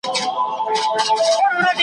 زه به په هغه ورځ .